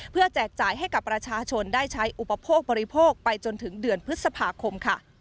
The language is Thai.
แจกจ่ายให้กับประชาชนได้ใช้อุปโภคบริโภคไปจนถึงเดือนพฤษภาคมค่ะ